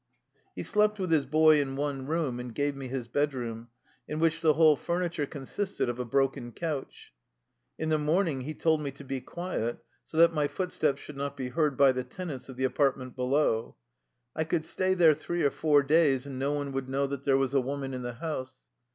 He slept with his boy in one room, and gave me his bedroom, in which the whole furniture consisted of a broken couch. In the morning he told me to be quiet, so that my footsteps should not be heard by the tenants of the apart ment below. I could stay there three or four days, and no one would know that there was a woman in the house.